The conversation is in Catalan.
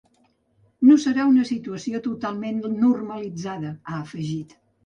No serà una situació totalment normalitzada, ha afegit.